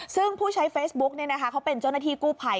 ซึ่งผู้ใช้เฟซบุ๊กเขาเป็นเจ้าหน้าที่กู้ภัย